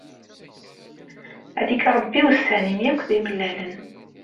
Ad ig Rebbi ussan-im akk d imellalen.